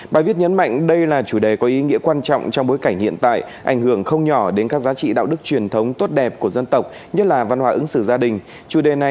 bài viết nhấn mạnh đây là chủ đề có ý nghĩa quan trọng trong bối cảnh hiện tại ảnh hưởng không nhỏ đến các giá trị đạo đức truyền thống tốt đẹp của dân tộc nhất là văn hóa ứng xử gia đình